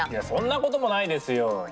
そんなこともないですよ。